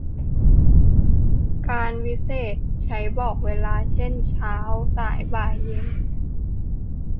กาลวิเศษณ์ ใช้บอกเวลา เช่น เช้า สาย บ่าย เย็น